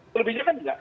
selebihnya kan tidak